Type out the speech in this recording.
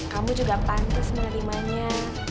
kamu juga pantes mengirimannya